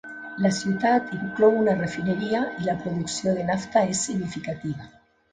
La ciutat inclou una refineria, i la producció de nafta és significativa.